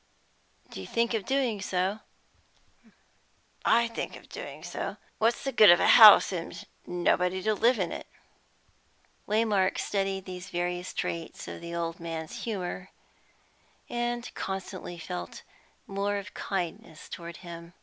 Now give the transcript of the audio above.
"Do you think of doing so?" "I think of doing so! What's the good of a house, and nobody to live in it?" Waymark studied these various traits of the old man's humour, and constantly felt more of kindness towards him.